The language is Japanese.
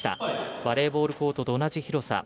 バレーボールコートと同じ広さ。